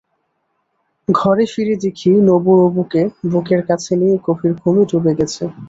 ঘরে ফিরে দেখি নবু-রবুকে বুকের কাছে নিয়ে গভীর ঘুমে ডুবে গেছে।